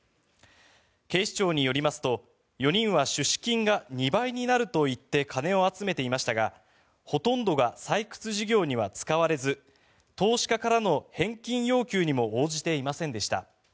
警視庁によりますと４人は出資金が２倍になると言って金を集めていましたがほとんどが採掘事業には使われず投資家からの返金要求にも応じていませんでした。